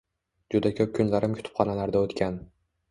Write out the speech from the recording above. Juda koʻp kunlarim kutubxonalarda oʻtgan.